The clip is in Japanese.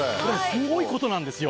すごいことなんですよ。